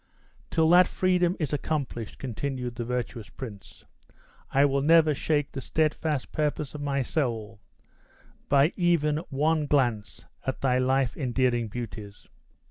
"Till that freedom is accomplished," continued the virtuous prince, "I will never shake the steadfast purpose of my soul by even once glance at thy life endearing beauties.